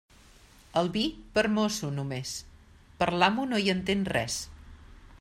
El vi, per mosso només; per l'amo, no hi entén res.